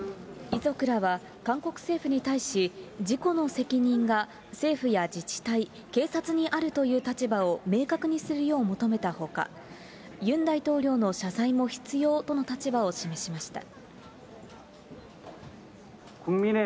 遺族らは韓国政府に対し、事故の責任が政府や自治体、警察にあるという立場を明確にするよう求めたほか、ユン大統領の謝罪も必要との立場を示しました。